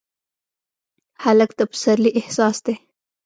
هلک د پسرلي احساس دی.